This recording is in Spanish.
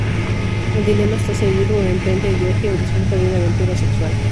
El dilema está servido: o emprende el viaje o disfruta de una aventura sexual.